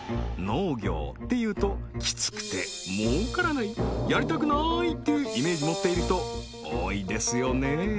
農業っていうときつくて儲からないやりたくないっていうイメージ持っている人多いですよね